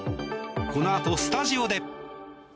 このあとスタジオで。